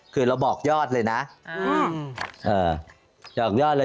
คือเราบอกยอดเลยนะ